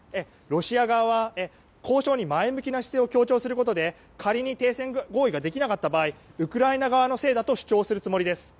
ロシア側は交渉に前向きな姿勢を強調することで停戦交渉できなかった場合ウクライナ側に責任があると主張するようです。